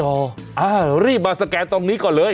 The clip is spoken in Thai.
อ้าวเรารีบมาสแกนตรงนี้ก่อนเลย